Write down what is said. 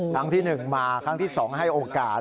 ครั้งที่หนึ่งมาครั้งที่สองให้โอกาส